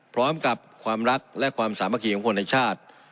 พร้อมกับความรักและความสามัคคีของคนในชาติ